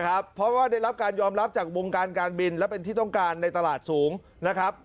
เพราะว่าได้รับการยอมรับจากวงการการบินและเป็นที่ต้องการในตลาดสูงนะครับ